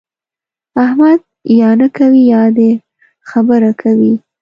احمد یا نه کوي يا د خبره کوي.